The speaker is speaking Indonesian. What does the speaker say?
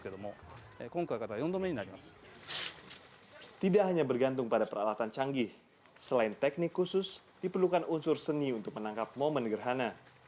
tidak hanya bergantung pada peralatan canggih selain teknik khusus diperlukan unsur seni untuk menangkap momen gerhana